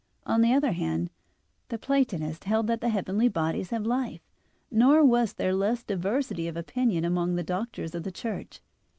On the other hand, the Platonists held that the heavenly bodies have life. Nor was there less diversity of opinion among the Doctors of the Church.